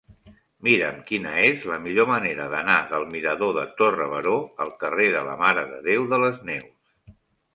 Mira'm quina és la millor manera d'anar del mirador de Torre Baró al carrer de la Mare de Déu de les Neus.